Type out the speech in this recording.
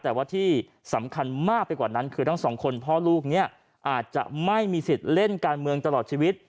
แต่ว่าที่สำคัญมากไปกว่านั้นคือทั้งสองคนพ่อลูกเนี่ยอาจจะไม่มีสิทธิ์เล่นการเมืองตลอดชีวิต